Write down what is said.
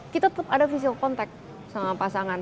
kita tetap ada fisial contact sama pasangan